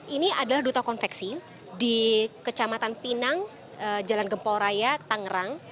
ini adalah duto konveksi di kecamatan pinang jalan gemporaya tangerang